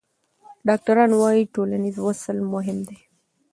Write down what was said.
ډاکټران وايي ټولنیز وصل مهم دی.